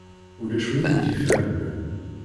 Ulac win i yi-d-ifehhmen.